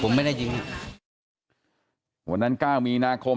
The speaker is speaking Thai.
ผมไม่ได้ยิงวันนั้นเก้ามีนาคม